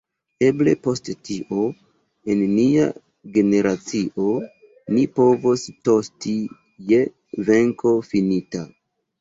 Eble post tio en nia generacio ni povos tosti je venko finita.